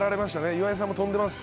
岩井さんも飛んでます。